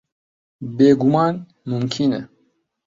بێگومان، مومکینە.